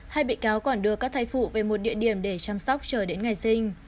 hai bị cáo còn đưa các thai phụ về một địa điểm để chăm sóc chờ đến ngày sinh